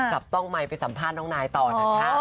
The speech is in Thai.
จับต้องไมค์ไปสัมภาษณ์น้องนายต่อนะคะ